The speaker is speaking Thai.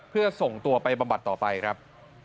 เพื่อส่งตัวไปบำบัดต่อไปครับ